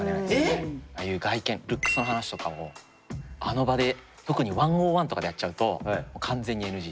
ああいう外見ルックスの話とかをあの場で特に１ｏｎ１とかでやっちゃうと完全にＮＧ。